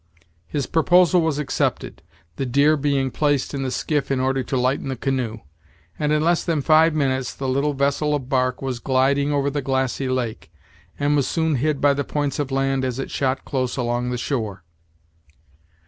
His proposal was accepted, the deer being placed in the skiff in order to lighten the canoe, and in less than five minutes the little vessel of bark was gilding over the glassy lake, and was soon hid by the points of land as it shot close along the shore.